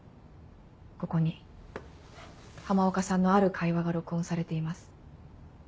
ここに浜岡さんのある会話が録音されています。